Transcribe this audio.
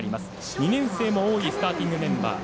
２年生も多いスターティングメンバー。